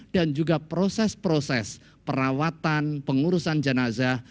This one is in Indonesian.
dan juga proses proses perawatan pengurusan janazah